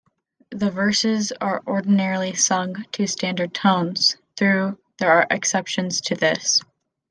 The verses are ordinarily sung to standard tones, though there are exceptions to this.